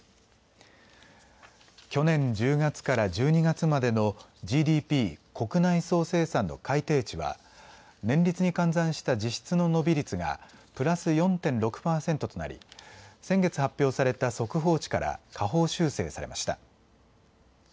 去年１０月から１２月までのＧＤＰ・国内総生産の改定値は年率に換算した実質の伸び率がプラス４．６％となり先月、発表された速報値から下方修正されました。